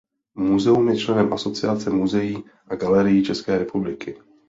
Muzeum je členem Asociace muzeí a galerií České republiky.